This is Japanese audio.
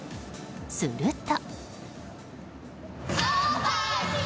すると。